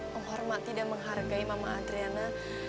menghormati dan menghargai mama adriana